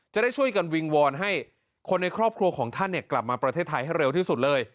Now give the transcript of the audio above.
จะได้ช่วยกันวิงวอนให้คนในครอบครัวของท่านกลับมาประเทศไทยให้เร็วที่สุดเลย